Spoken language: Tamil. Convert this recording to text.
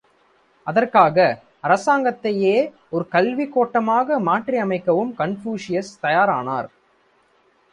அதற்காக, அரசாங்கத்தையே ஒரு கல்விக் கோட்டமாக மாற்றி அமைக்கவும் கன்பூசியஸ் தயாரானார்.